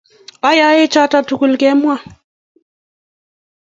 Ayae choto tugul kemwa.